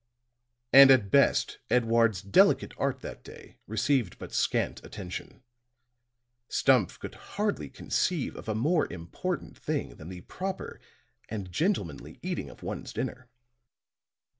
And at best Edouard's delicate art that day received but scant attention. Stumph could hardly conceive of a more important thing than the proper and gentlemanly eating of one's dinner.